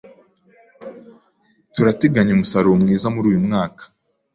Turateganya umusaruro mwiza muri uyu mwaka.